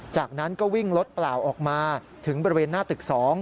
จากนั้นก็วิ่งรถเปล่าออกมาถึงบริเวณหน้าตึก๒